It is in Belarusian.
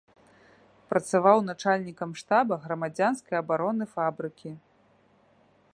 Працаваў начальнікам штаба грамадзянскай абароны фабрыкі.